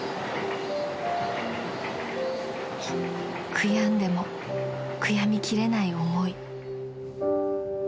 ［悔やんでも悔やみきれない思い］